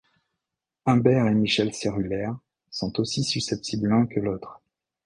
Humbert et Michel Cérulaire sont aussi susceptibles l'un que l'autre.